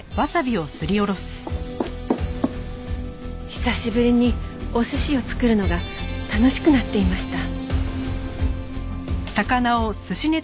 久しぶりにお寿司を作るのが楽しくなっていました。